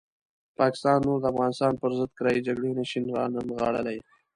پاکستان نور د افغانستان پرضد کرایي جګړې نه شي رانغاړلی.